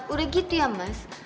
udah gitu ya mas